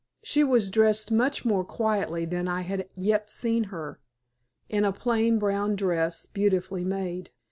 She was dressed much more quietly than I had yet seen her, in a plain brown dress, beautifully made.